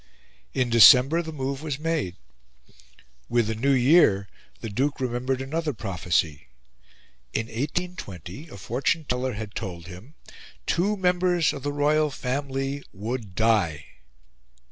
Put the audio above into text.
In December the move was made. With the new year, the Duke remembered another prophecy. In 1820, a fortune teller had told him, two members of the Royal Family would die.